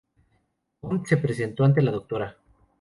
Bond se presentó ante la Dra.